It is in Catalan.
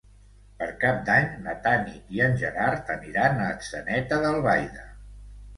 Per Cap d'Any na Tanit i en Gerard aniran a Atzeneta d'Albaida.